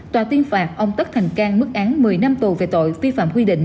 tòa tuyên phạt ông tất thành cang mức án một mươi năm tù về tội vi phạm quy định